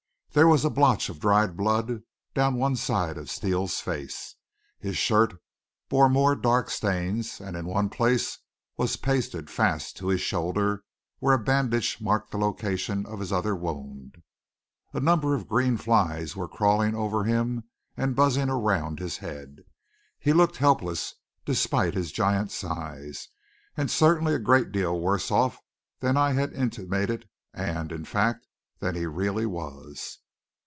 There was a blotch of dried blood down one side of Steele's face. His shirt bore more dark stains, and in one place was pasted fast to his shoulder where a bandage marked the location of his other wound. A number of green flies were crawling over him and buzzing around his head. He looked helpless, despite his giant size; and certainly a great deal worse off than I had intimated, and, in fact, than he really was.